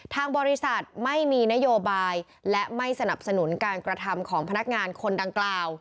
ทางบริษัทไม่มีนโยบายและไม่สนับสนุนการกระทำของพนักงานคนดังกล่าว